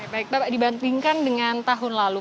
baik bapak dibandingkan dengan tahun lalu